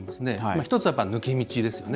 １つは抜け道です。